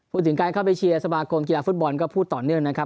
พูดถึงการเข้าไปเชียร์สมาคมกีฬาฟุตบอลก็พูดต่อเนื่องนะครับ